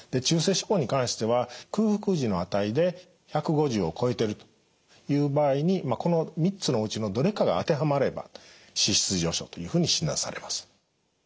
中性脂肪に関しては空腹時の値で１５０を超えてるという場合にこの３つのうちのどれかが当てはまれば脂質異常症というふうに診断されます。